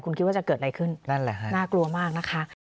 คุณคิดว่าจะเกิดอะไรขึ้นน่ากลัวมากนะคะ